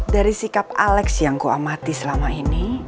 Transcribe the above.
dari sikap yang kumati selama ini